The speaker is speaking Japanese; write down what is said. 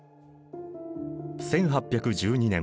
１８１２年。